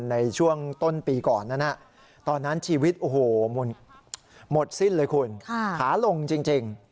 ในช่วงต้นปีก่อนนั้นตอนนั้นชีวิตโอ้โหหมดสิ้นเลยคุณขาลงจริง